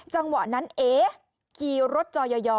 จังหวะนั้นเอ๋กิรถจอย่อ